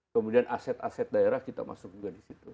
kemudian aset aset daerah kita masuk juga di situ